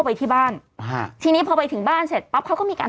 ไปที่บ้านฮะทีนี้พอไปถึงบ้านเสร็จปั๊บเขาก็มีการ